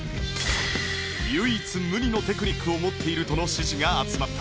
唯一無二のテクニックを持っているとの支持が集まった